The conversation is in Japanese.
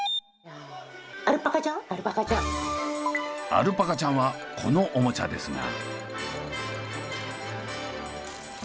アルパカちゃんはこのオモチャですが。